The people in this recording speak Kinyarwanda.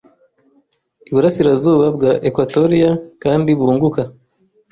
Iburasirazuba bwa Ekwatoriya kandi bunguka